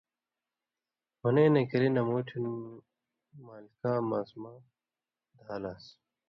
حُنېنَیں کلیۡ نہ موٹھیُوں مالکاں ماسُمہ دھا لان٘س۔